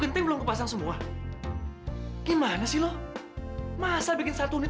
sampai jumpa di video selanjutnya